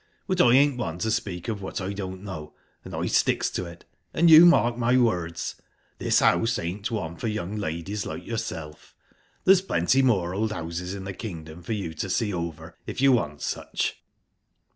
But I ain't one to speak of what I don't know, and I sticks to it and you mark my words this house ain't one for young ladies like yourself. There's plenty more old houses in the kingdom for you to see over, if you want such."